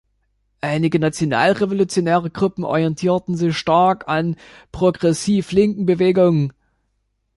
Einige nationalrevolutionäre Gruppen orientierten sich stark an progressiv-linken Bewegungen.